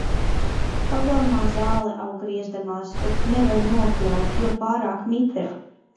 Pagalmā zāle aug griezdamās, bet nevar nopļaut, jo pārāk mitra.